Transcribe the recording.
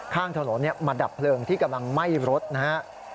ข้างถนนมาดับเพลิงที่กำลังไหม้รถนะครับ